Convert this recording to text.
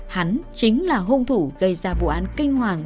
hắn chính là hung thủ gây ra vụ án kinh hoàng